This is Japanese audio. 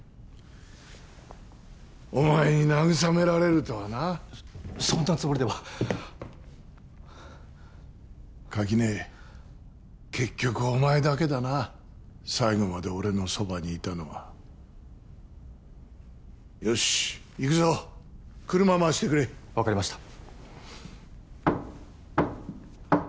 お前になぐさめられるとはなそんなつもりでは垣根結局お前だけだな最後まで俺のそばにいたのはよし行くぞ車まわしてくれ分かりました